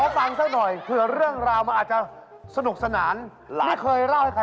สามารถรับชมได้ทุกวัย